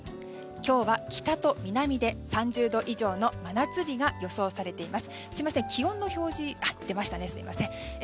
今日は北と南で３０度以上の真夏日が予想されています。